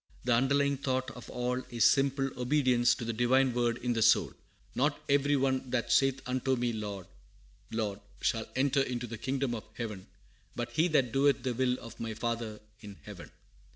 The underlying thought of all is simple obedience to the Divine word in the soul. "Not every one that saith unto me Lord, Lord, shall enter into the kingdom of heaven, but he that doeth the will of my Father in heaven."